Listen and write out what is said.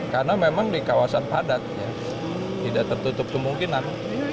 karena memang di kawasan padat tidak tertutup kemungkinan